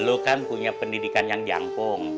dulu kan punya pendidikan yang jangkung